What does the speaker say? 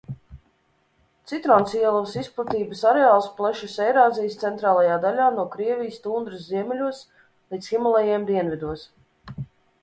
Citroncielavas izplatības areāls plešas Eirāzijas centrālajā daļā, no Krievijas tundras ziemeļos līdz Himalajiem dienvidos.